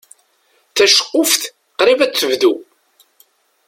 Taceqquft qrib ad tebdu.